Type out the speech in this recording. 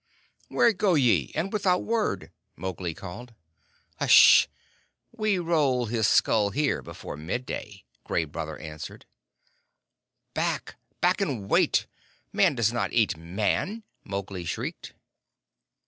"Where go ye, and without word?" Mowgli called. "H'sh! We roll his skull here before midday!" Gray Brother answered. "Back! Back and wait! Man does not eat Man!" Mowgli shrieked.